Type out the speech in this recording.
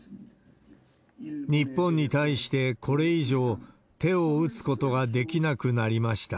日本に対して、これ以上、手を打つことができなくなりました。